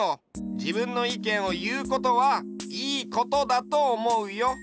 じぶんのいけんをいうことはいいことだとおもうよ。